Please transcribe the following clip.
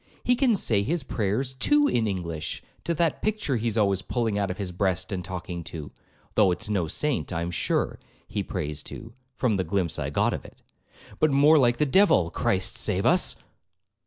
—He can say his prayers too in English to that picture he's always pulling out of his breast and talking to, though it's no saint, I am sure, he prays to, (from the glimpse I got of it), but more like the devil,—Christ save us!'